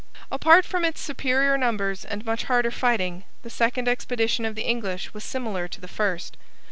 Apart from its superior numbers and much harder fighting, the second expedition of the English was similar to the first.